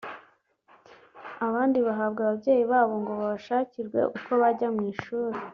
abandi bahabwa ababyeyi babo ngo babashakirwe uko bajya mu ishuri